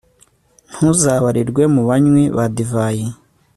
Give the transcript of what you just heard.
ntuzabarirwe mu banywi ba divayi